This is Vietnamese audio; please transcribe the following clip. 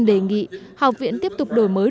đề nghị học viện tiếp tục đổi mới